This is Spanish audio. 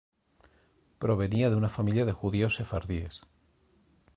Provenía de una familia de judíos sefardíes.